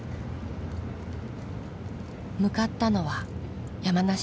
向かったのは山梨県。